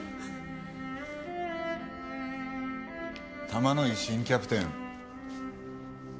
玉乃井新キャプテン。